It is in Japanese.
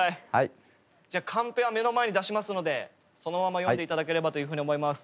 じゃあカンペは目の前に出しますのでそのまま読んで頂ければというふうに思います。